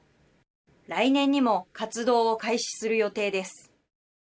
来年にも活動を開始する予定です。